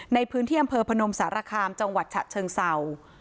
ในพื้นที่อำเภอพนมสารคามจังหวัดฉะเชิงเศร้า